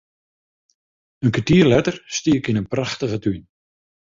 In kertier letter stie ik yn in prachtige tún.